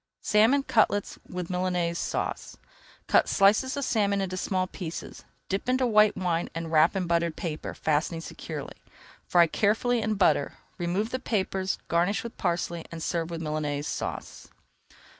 SALMON CUTLETS WITH MILANAISE SAUCE Cut slices of salmon into small pieces, dip into white wine and wrap in buttered paper, fastening securely. Fry carefully in butter, [Page 277] remove the papers, garnish with parsley, and serve with Milanaise Sauce.